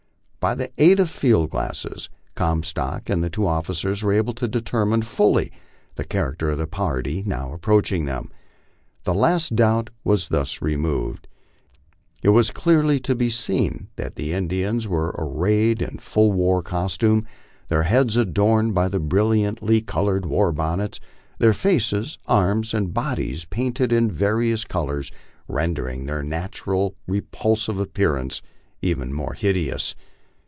By the aid of field glasses, C< mistook and the two officers were able to determine fully the character < f the party now approaching them. The last doubt was thus re moved. It was clearly to be seen that the Indians were arrayed in full war costume, their heads adorned by the brilliantly colored war bonnets, their faces, arms, and bodies painted in various colors, rendering their naturally repulsive appearance even more hideous.